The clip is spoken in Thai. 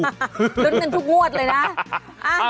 ลุ้นเงินทุกวัวดเลยนะ